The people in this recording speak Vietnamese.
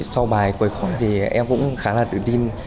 sau bài quầy khóa thì em cũng khá là tự tin